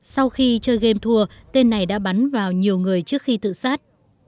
sau khi chơi gam thua tên này đã bắn vào nhiều người trước khi tự sát